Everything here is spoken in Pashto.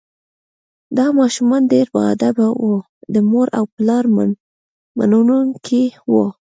دا ماشومان ډیر باادبه او د مور او پلار منونکي وو